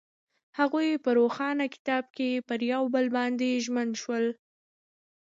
هغوی په روښانه کتاب کې پر بل باندې ژمن شول.